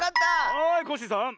はいコッシーさん。